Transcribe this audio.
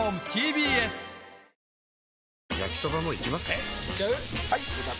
えいっちゃう？